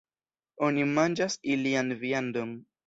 Oni manĝas ilian viandon.